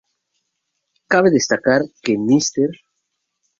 Cabe destacar que Mr.